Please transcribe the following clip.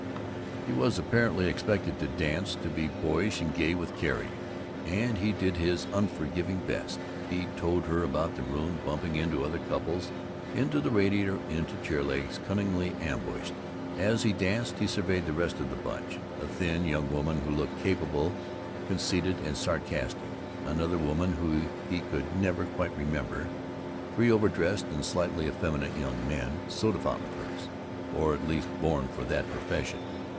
He was apparently expected to dance, to be boyish and gay with Carrie, and he did his unforgiving best. He towed her about the room, bumping into other couples, into the radiator, into chair legs cunningly ambushed. As he danced he surveyed the rest of the Bunch: A thin young woman who looked capable, conceited, and sarcastic. Another woman whom he could never quite remember. Three overdressed and slightly effeminate young men soda fountain clerks, or at least born for that profession.